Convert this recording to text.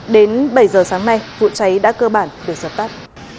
đến bảy giờ sáng nay vụ cháy đã cơ bản được dập tắt